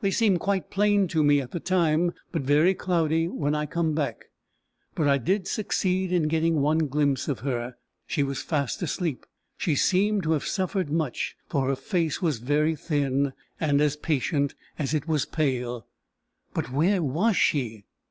They seem quite plain to me at the time, but very cloudy when I come back. But I did succeed in getting one glimpse of her. She was fast asleep. She seemed to have suffered much, for her face was very thin, and as patient as it was pale." "But where was she?"